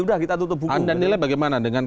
anda nilai bagaimana dengan